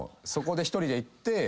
そこに１人で行って。